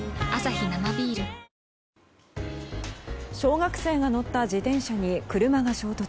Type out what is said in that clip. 小学生が乗った自転車に車が衝突。